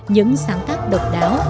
những sáng tác độc đáo